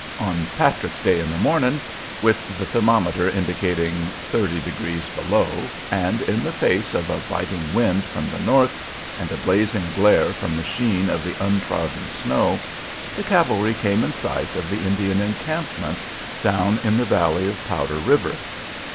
On "Patrick's Day in the morning," with the thermometer indicating 30° below, and in the face of a biting wind from the north and a blazing glare from the sheen of the untrodden snow, the cavalry came in sight of the Indian encampment down in the valley of Powder River.